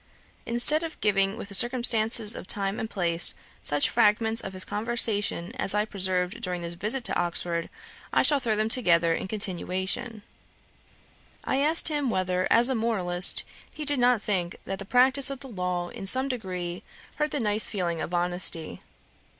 Instead of giving, with the circumstances of time and place, such fragments of his conversation as I preserved during this visit to Oxford, I shall throw them together in continuation. I asked him whether, as a moralist, he did not think that the practice of the law, in some degree, hurt the nice feeling of honesty.